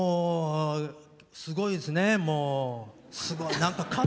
すごいですね。